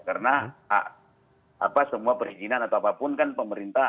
karena semua perizinan atau apapun kan pemerintah